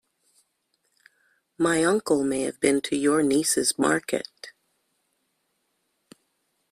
My uncle may have been to your niece's market.